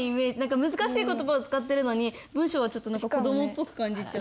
難しい言葉を使ってるのに文章がちょっと何か子どもっぽく感じちゃった。